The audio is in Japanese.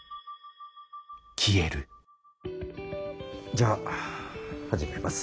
じゃあ始めます。